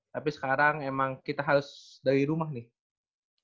tapi sekarang emang kita harus dari rumah nih